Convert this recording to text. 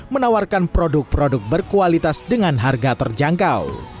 menawarkan produk produk berkualitas dengan harga terjangkau